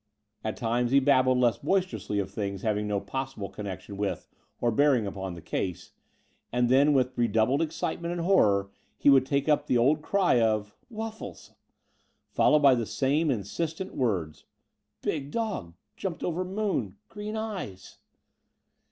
At times he babbled less boisterously of things having no possible connection with or bearing upon the case: and then with redoubled excitement and horror he would take up the old cry of Wuffles," followed by the same insistent words: ''Big dog ... jumped over moon ... green eyes."